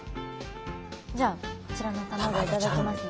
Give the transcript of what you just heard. じゃあこちらの卵を頂きますね。